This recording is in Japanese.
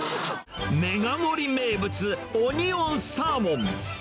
メガ盛り名物、オニオンサーモン。